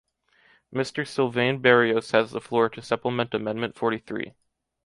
Mr Sylvain Berrios has the floor to support amendment forty-three.